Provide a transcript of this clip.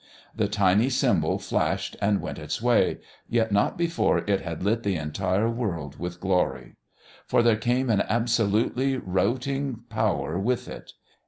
The tiny symbol flashed and went its way, yet not before it had lit the entire world with glory. For there came an absolutely routing power with it.